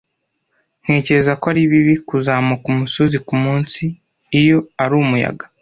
Ntekereza ko ari bibi kuzamuka umusozi kumunsi iyo ari umuyaga.